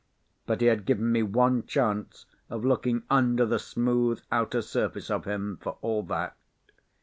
But he had given me one chance of looking under the smooth outer surface of him, for all that.